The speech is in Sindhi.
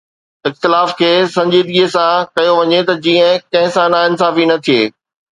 اختلاف کي سنجيدگيءَ سان ڪيو وڃي ته جيئن ڪنهن سان ناانصافي نه ٿئي